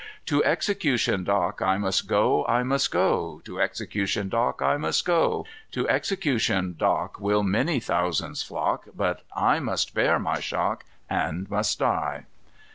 "To Execution Dock I must go, I must go, To Execution Dock I must go; To Execution Dock will many thousands flock, But I must bear my shock, and must die.